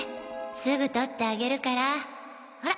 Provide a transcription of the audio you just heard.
すぐ取ってあげるからほら。